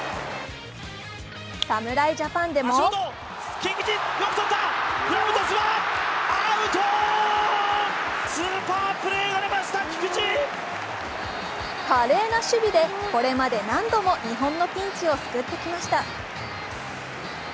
侍ジャパンでも華麗な守備でこれまで何度も日本のピンチを救ってきました。